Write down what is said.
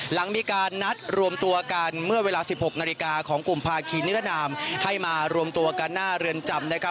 หลังมีการนัดรวมตัวกันเมื่อเวลา๑๖นาฬิกาของกลุ่มภาคีนิรนามให้มารวมตัวกันหน้าเรือนจำ